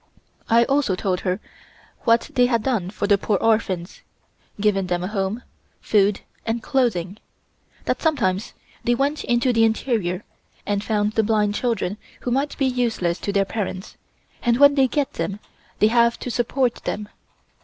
I also told her what they had done for the poor orphans given them a home, food and clothing; that sometimes they went into the interior and found the blind children who might be useless to their parents, and when they get them they have to support them.